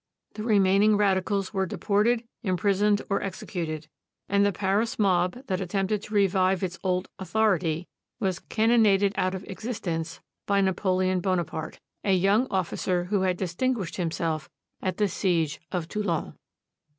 The remaining radicals were deported, imprisoned, or executed, and the Paris mob that attempted to revive its old authority was cannonaded out of existence by Napoleon Bonaparte, a young officer who had distinguished himself at the siege of Toulon.